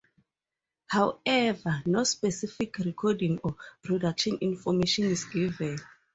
However, no specific recording or production information is given.